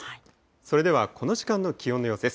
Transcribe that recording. それではこの時間の気温の様子です。